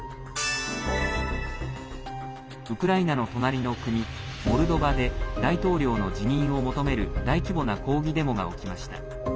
ウクライナの隣の国、モルドバで大統領の辞任を求める大規模な抗議デモが起きました。